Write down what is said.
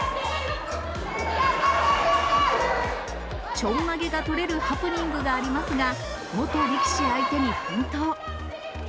ちょんまげが取れるハプニングがありますが、元力士相手に奮闘。